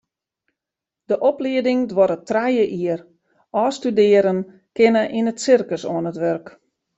De oplieding duorret trije jier, ôfstudearren kinne yn it sirkus oan it wurk.